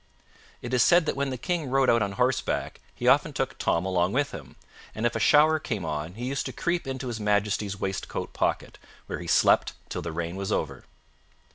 It is said that when the King rode out on horseback he often took Tom along with him, and if a shower came on he used to creep into his Majesty's waistcoat pocket, where he slept till the rain was over.